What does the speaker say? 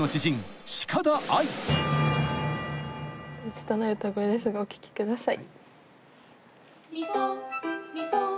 拙い歌声ですがお聴きください。